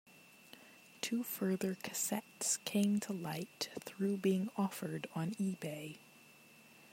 Two further cassettes came to light through being offered on eBay.